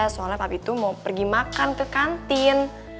soalnya papi tuh mau pergi makan ke kantin